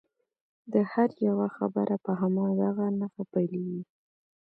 د هر یوه خبره په همدغه نښه پیلیږي.